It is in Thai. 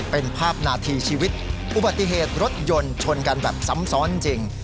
เป็นภาพนาทีชีวิตอุบัติเหตุรถยนต์ชนกันแบบซ้ำซ้อนจริง